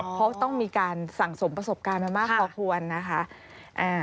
เพราะต้องมีการสั่งสมประสบการณ์มามากพอควรนะคะ